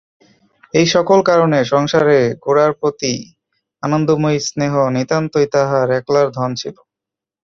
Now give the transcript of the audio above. এই-সকল কারণে সংসারে গোরার প্রতি আনন্দময়ীর স্নেহ নিতান্তই তাঁহার একলার ধন ছিল।